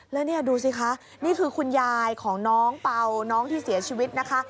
แล้วนี่ดูสิคะนี่คือคุณยายของน้องเป่าน้องที่เสียชีวิตนะคะ